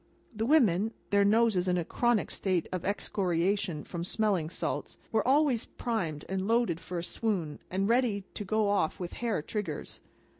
The women (their noses in a chronic state of excoriation from smelling salts) were always primed and loaded for a swoon, and ready to go off with hair triggers.